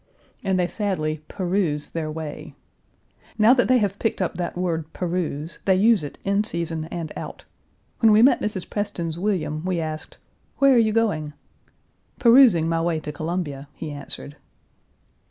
And they sadly "peruse" their way. Now that they have picked up that word "peruse," they use it in season and out. When we met Mrs. Preston's William we asked, "Where are you going?" "Perusing my way to Columbia," he answered.